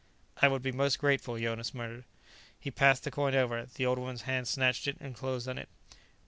"I would be most grateful," Jonas murmured. He passed the coin over; the old woman's hand snatched it and closed on it.